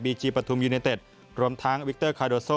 จีปฐุมยูเนเต็ดรวมทั้งวิกเตอร์คาโดโซ